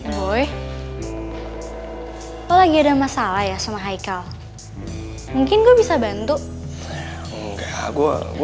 hai gue lagi ada masalah ya sama haikal mungkin gue bisa bantu enggak gue gue